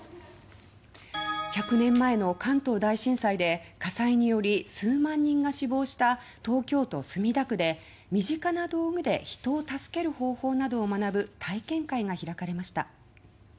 １００年前の関東大震災で火災により数万人が死亡した東京都墨田区で身近な道具で人を助ける方法などを学ぶ体験会が開かれました。